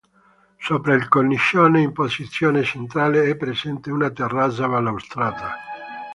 Sopra il cornicione, in posizione centrale, è presente una terrazza balaustrata.